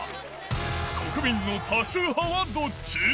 国民の多数派はどっち？